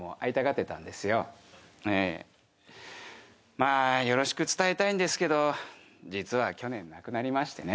まあよろしく伝えたいんですけど実は去年亡くなりましてね。